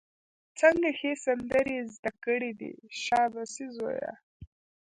څنګه ښې سندرې یې زده کړې دي، شابسي زویه!